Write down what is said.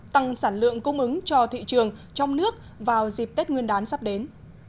tăng sản lượng cung ứng cho thị trường trong nước vào dịp tết nguyên đán sắp đến